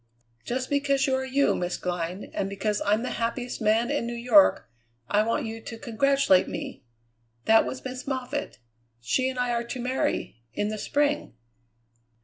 "Just because you are you, Miss Glynn, and because I'm the happiest man in New York, I want you to congratulate me. That was Miss Moffatt. She and I are to marry in the spring."